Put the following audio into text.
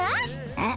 うん。